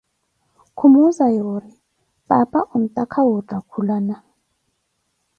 Khumuza yorri paapa ontaka wuuttakulana.